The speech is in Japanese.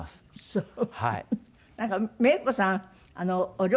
そう。